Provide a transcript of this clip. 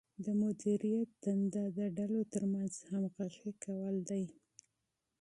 د مدیریت دنده د ډلو ترمنځ همغږي کول دي.